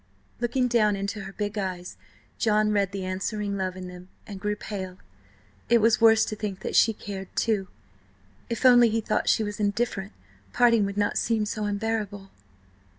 Looking down into her big eyes, John read the answering love in them, and grew pale. It was worse to think that she cared, too. If only he thought she was indifferent, parting would not seem so unbearable.